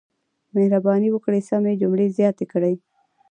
مهرباني وکړئ سمې جملې زیاتې کړئ.